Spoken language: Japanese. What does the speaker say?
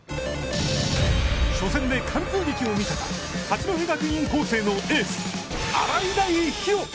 初戦で完封劇を見せた八戸学院光星のエース、洗平比呂。